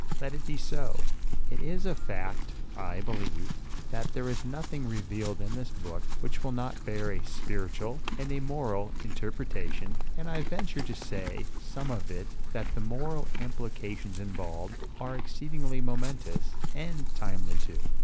Let it be so. It is a fact, I believe, that there is nothing revealed in this book which will not bear a spiritual, and a moral, interpretation; and I venture to say of some of it that the moral implications involved are exceedingly momentous, and timely too.